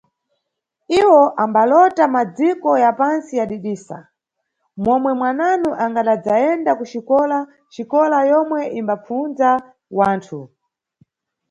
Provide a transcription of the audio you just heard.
Iwo ambalota madziko ya pantsi yadidisa, momwe mwananu angadadzayenda kuxikola, xikola yomwe imbapfunza wanthu.